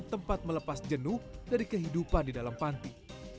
tempat melepas jenuh dari kehidupan di dalam panti